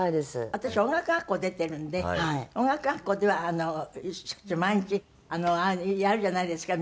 私音楽学校出てるので音楽学校では毎日やるじゃないですか。